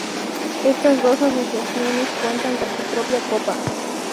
Estas dos asociaciones cuentan con su propia copa.